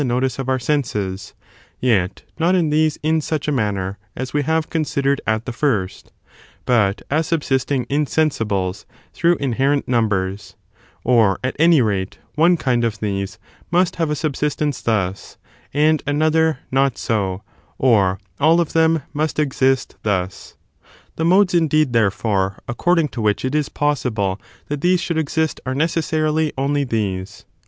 notice of our senses; yet not in these in such a manner as Ve have considered at the first, but as subsisting in sensibles^ through inherent numbers; or, at any rate, one kind of these must have a subsistence thus, and another not so, or all of them must exist thus. 6. Confirmation '^^ modcs, indeed, therefore, according to in favour of whlch it is possiblo that these should exist are tfonsin're^Sd ueccssarily only these.